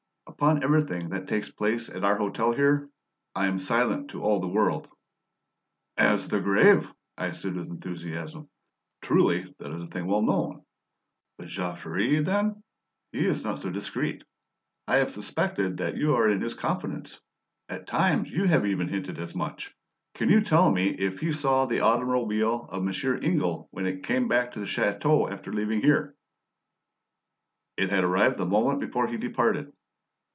"Upon everything that takes place at our hotel here, I am silent to all the world." "As the grave!" I said with enthusiasm. "Truly that is a thing well known. But Jean Ferret, then? He is not so discreet; I have suspected that you are in his confidence. At times you have even hinted as much. Can you tell me if he saw the automobile of Monsieur Ingle when it came back to the chateau after leaving here?" "It had arrived the moment before he departed."